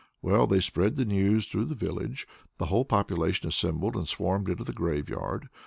Well, they spread the news through the village; the whole population assembled and swarmed into the graveyard.